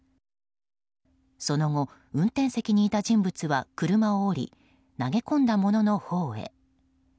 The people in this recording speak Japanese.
その後、運転席にいた人物は車を降り投げ込んだもののほうへ。